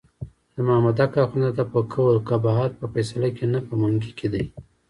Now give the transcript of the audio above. د مامدک اخندزاده په قول قباحت په فیصله کې نه په منګي کې دی.